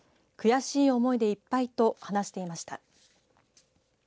悔しい思いでいっぱいと話していました。